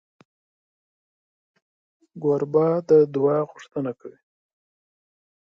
کوربه د دعا غوښتنه کوي.